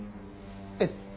えっ？